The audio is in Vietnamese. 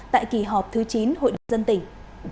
tại kỳ họp thứ chín hội đồng dân tỉnh